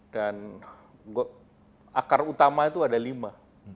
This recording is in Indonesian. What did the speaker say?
dan akar utama itu ada lima